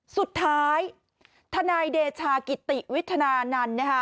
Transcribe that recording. สุดท้ายทนายเดชากิติวิทยานาน